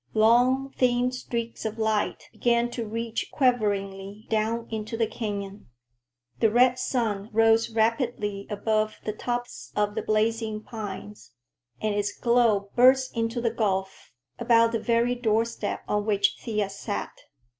Long, thin streaks of light began to reach quiveringly down into the canyon. The red sun rose rapidly above the tops of the blazing pines, and its glow burst into the gulf, about the very doorstep on which Thea sat.